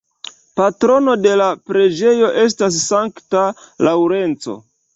Patrono de la preĝejo estas Sankta Laŭrenco.